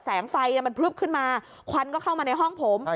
แสงไฟมันพลึบขึ้นมาควันก็เข้ามาในห้องผม